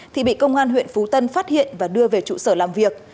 thì bị công an huyện phú tân phát hiện và đưa về trụ sở làm việc